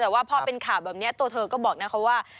แต่ว่าพอเป็นข่าวแบบนี้ตัวเธอก็บอกนะคะว่า